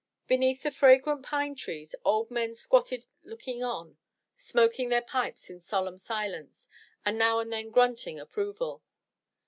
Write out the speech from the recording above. Beneath the fragrant pine trees old men squatted looking on, smoking their pipes in solemn silence, and now and then grunting approval.